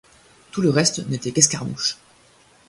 Tout le reste n'était qu'escarmouches.